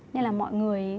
nên là mọi người